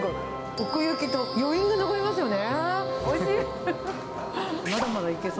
奥行きと余韻が残りますよね。